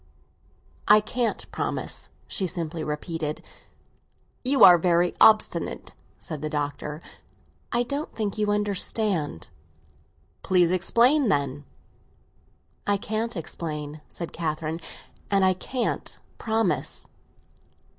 "I can't promise," she simply repeated. "You are very obstinate," said the Doctor. "I don't think you understand." "Please explain, then." "I can't explain," said Catherine. "And I can't promise."